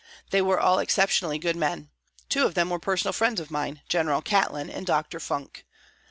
They were all exceptionally good men. Two of them were personal friends of mine, General Catlin and Dr. Funk.